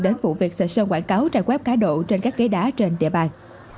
đến vụ việc sợi sơn quảng cáo trang quép cả độ trên các ghế đá trên địa bàn